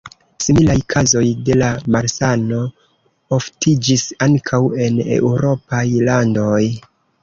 Similaj kazoj de la malsano oftiĝis ankaŭ en eŭropaj landoj.